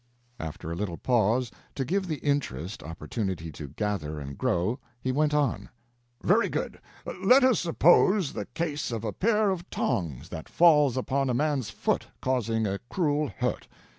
After a little pause to give the interest opportunity to gather and grow, he went on: "Very good. Let us suppose the case of a pair of tongs that falls upon a man's foot, causing a cruel hurt.